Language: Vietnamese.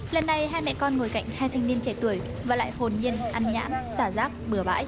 lần này hai mẹ con ngồi cạnh hai thanh niên trẻ tuổi và lại hồn nhiên ăn nhãn xả rác bừa bãi